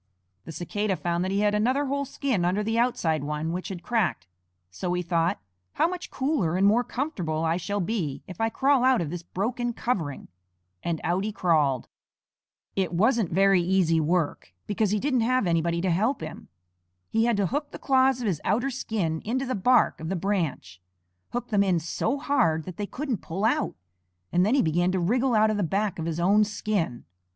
The Cicada found that he had another whole skin under the outside one which had cracked, so he thought, "How much cooler and more comfortable I shall be if I crawl out of this broken covering," and out he crawled. It wasn't very easy work, because he didn't have anybody to help him. He had to hook the claws of his outer skin into the bark of the branch, hook them in so hard that they couldn't pull out, and then he began to wriggle out of the back of his own skin.